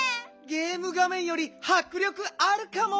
ゲームがめんよりはく力あるかも！